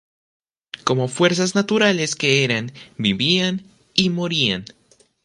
Como fuerzas naturales que eran, vivían y morían.